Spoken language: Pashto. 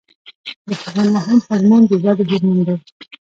د هغې مهم هورمون د ودې هورمون دی.